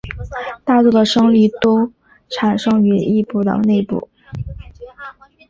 大多的升力都产生于翼展的内部。